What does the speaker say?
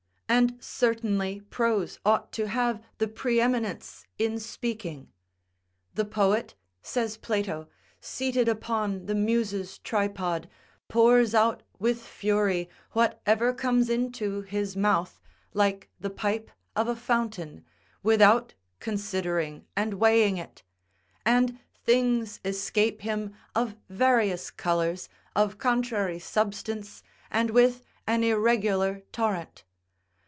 And certainly prose ought to have the pre eminence in speaking. The poet, says Plato, seated upon the muses tripod, pours out with fury whatever comes into his mouth, like the pipe of a fountain, without considering and weighing it; and things escape him of various colours, of contrary substance, and with an irregular torrent.